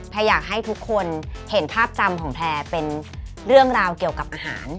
อยากให้ทุกคนเห็นภาพจำของแพลร์เป็นเรื่องราวเกี่ยวกับอาหาร